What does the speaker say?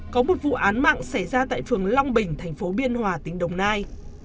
có một vụ án mạng xảy ra tại phường long bình thành phố biên hòa tỉnh đồng nai